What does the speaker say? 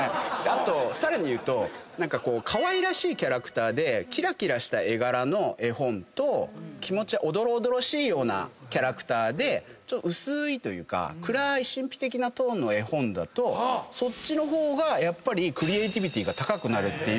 あとさらに言うとかわいらしいキャラクターできらきらした絵柄の絵本と気持ちおどろおどろしいようなキャラクターで薄ーいというか暗ーい神秘的なトーンの絵本だとそっちの方がクリエイティビティが高くなるっていう結果もある。